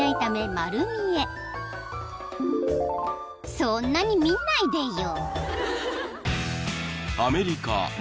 ［そんなに見ないでよ］